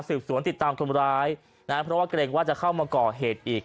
สวนติดตามคนร้ายนะเพราะว่าเกรงว่าจะเข้ามาก่อเหตุอีก